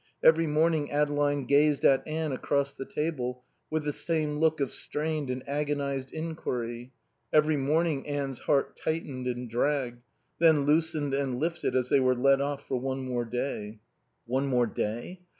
Every morning Adeline gazed at Anne across the table with the same look of strained and agonised enquiry. Every morning Anne's heart tightened and dragged, then loosened and lifted, as they were let off for one more day. One more day?